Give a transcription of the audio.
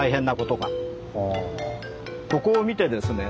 ここを見てですね